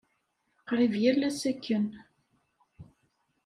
Qrib yal ass akken.